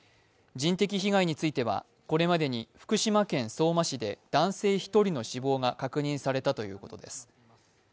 人的被害については、これまでに福島県相馬市で男性１人の死亡が確認されたということです。